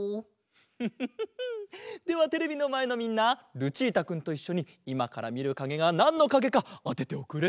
フフフフではテレビのまえのみんなルチータくんといっしょにいまからみるかげがなんのかげかあてておくれ。